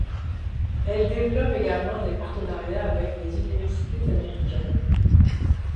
Elle développe également des partenariats avec des universités américaines.